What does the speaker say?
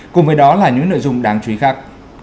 cùng với đó là những nội dung đáng chú ý khác